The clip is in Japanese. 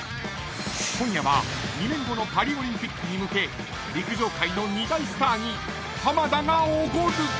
［今夜は２年後のパリオリンピックに向け陸上界の２大スターに浜田がおごる］